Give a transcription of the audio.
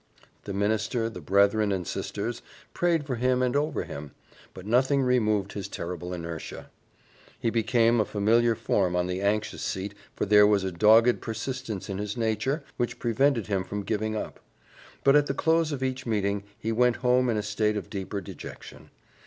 The minister, the brethren and sisters, prayed for him and over him, but nothing removed his terrible inertia. He became a familiar form on the anxious seat for there was a dogged persistence in his nature which prevented him from giving up; but at the close of each meeting he went home in a state of deeper dejection.